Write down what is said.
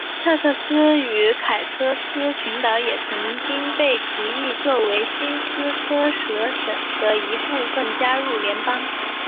特克斯与凯科斯群岛也曾经被提议作为新斯科舍省的一部分加入联邦。